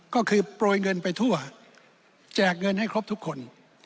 ก็คือโปรยเงินไปทั่วแจกเงินให้ครบทุกคน